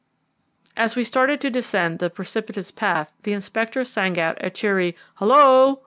As we started to descend the precipitous path the Inspector sang out a cheery "Hullo!"